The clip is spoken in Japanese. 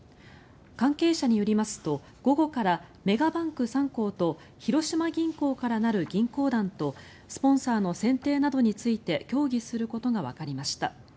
関係者によりますと、午後からメガバンク３行と広島銀行からなる銀行団とスポンサーの選定などについて協議することがわかりました。